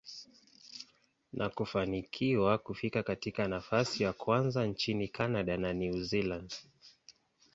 na kufanikiwa kufika katika nafasi ya kwanza nchini Canada na New Zealand.